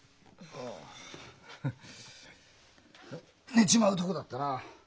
寝ちまうとこだったな。